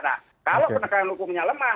nah kalau penegakan hukumnya lemah